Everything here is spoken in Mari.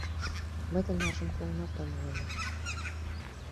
— Мый тынаржым колынат омыл ыле.